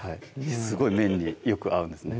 すごい麺によく合うんですね